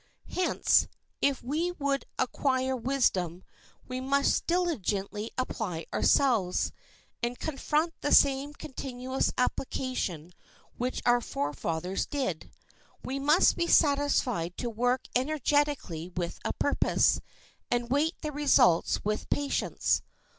Hence, if we would acquire wisdom, we must diligently apply ourselves, and confront the same continuous application which our forefathers did. We must be satisfied to work energetically with a purpose, and wait the results with patience.